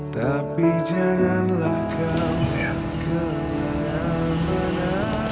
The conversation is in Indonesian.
tapi janganlah kau